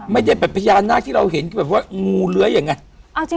ไม่ได้แบบพยานาคที่เราเห็นว่างู้เลื้อยังไง